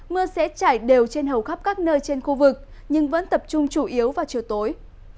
mưa sẽ trải đều trên hầu khắp các nơi trên khu vực nhưng vẫn tập trung chủ yếu vào chiều tối